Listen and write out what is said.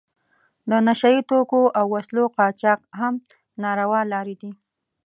د نشه یي توکو او وسلو قاچاق هم ناروا لارې دي.